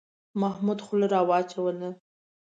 محمود خوله را وچوله.